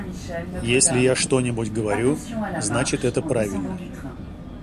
Если я что-нибудь говорю, значит, это правильно.